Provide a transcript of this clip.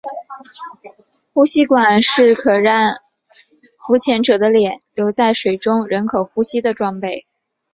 呼吸管是可让浮潜者的脸留在水中仍可呼吸的装备。